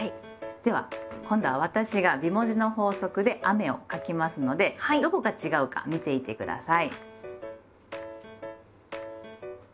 では今度は私が美文字の法則で「雨」を書きますのでどこが違うか見ていて下さい。